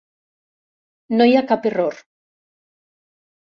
No hi ha cap error.